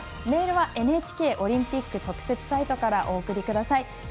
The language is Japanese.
メールはＮＨＫオリンピック特設サイトからお送りください。